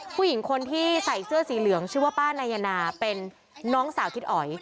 ผู้หญิงคนที่ใส่เสื้อสีเหลืองชื่อว่าป้านายนาเป็นน้องสาวทิศอ๋อย